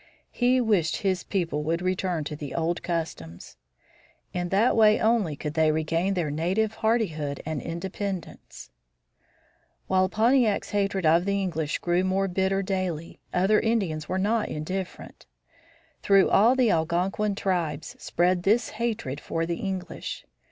He wished his people would return to the old customs. In that way only could they regain their native hardihood and independence. [Illustration: INDIAN WEAPON] While Pontiac's hatred of the English grew more bitter daily, other Indians were not indifferent. Through all the Algonquin tribes spread this hatred for the English.